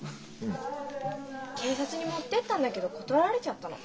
警察に持ってったんだけど断られちゃったの。